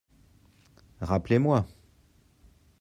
Rappelez-moi.